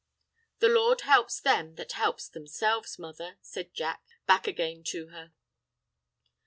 "The Lord helps them that help themselves, mother," says Jack back again to her.